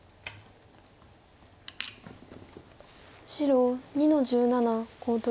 白２の十七コウ取り。